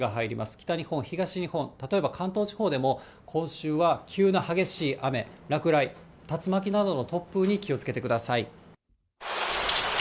北日本、東日本、例えば関東地方でも、今週は急な激しい雨、落雷、竜巻などの突風に気をつけてください。